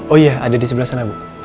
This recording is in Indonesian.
oh iya ada di sebelah sana bu